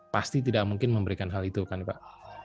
pasti tidak mungkin memberikan hal itu kan pak